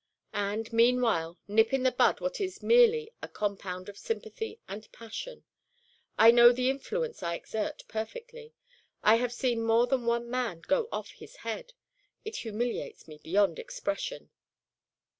And, meanwhile, nip in the bud what is merely a compound of sympathy and passion. I know the influence I exert perfectly. I have seen more than one man go off his head. It humiliates me beyond expression."